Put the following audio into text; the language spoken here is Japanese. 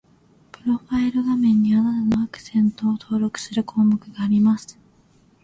プロファイル画面に、あなたのアクセントを登録する項目があります